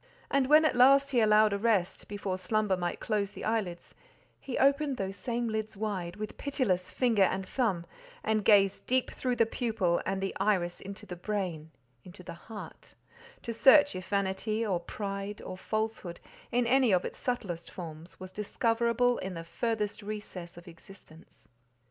And when at last he allowed a rest, before slumber might close the eyelids, he opened those same lids wide, with pitiless finger and thumb, and gazed deep through the pupil and the irids into the brain, into the heart, to search if Vanity, or Pride, or Falsehood, in any of its subtlest forms, was discoverable in the furthest recess of existence.